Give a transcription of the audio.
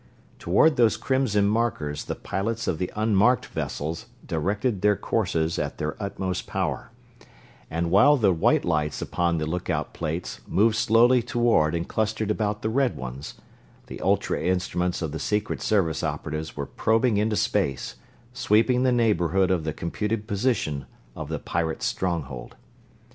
Toward those crimson markers the pilots of the unmarked vessels directed their courses at their utmost power; and while the white lights upon the lookout plates moved slowly toward and clustered about the red ones the ultra instruments of the Secret Service operatives were probing into space, sweeping the neighborhood of the computed position of the pirate's stronghold.